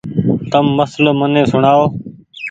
تم مسلو مني سوڻآئو۔